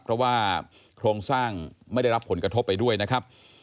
เพราะว่าโครงสร้างไม่ได้รับผลกระทบไปด้วยนะครับ